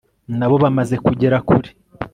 nabo bamaze kugera kure